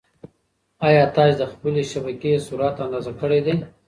ایا تاسي د خپلې شبکې سرعت اندازه کړی دی؟